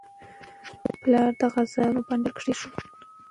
پلار د کاغذونو بنډل کېښود.